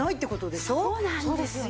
そうなんですよ。